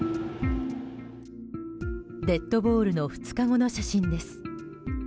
デッドボールの２日後の写真です。